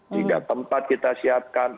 sehingga tempat kita siapkan